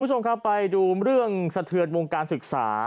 คุณผู้ชมครับไปดูเรื่องสะเทือนวงการศึกษา